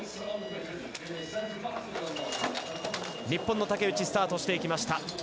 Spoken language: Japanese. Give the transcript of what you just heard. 日本の竹内スタートしていきました。